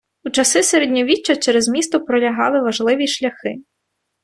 У часи середньовіччя через місто пролягали важливі шляхи.